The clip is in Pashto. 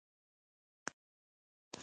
هغه یو لوی ناجو و موند.